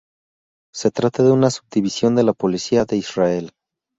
Se trata de una subdivisión de la Policía de Israel.